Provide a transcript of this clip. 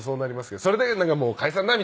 それでなんかもう解散だ！